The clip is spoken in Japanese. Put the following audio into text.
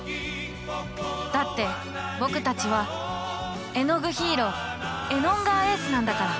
だって僕たちはえのぐヒーローエノンガーＡなんだから。